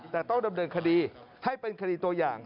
แต่ต้องดำเนินคดีให้เป็นคดีตัวอย่าง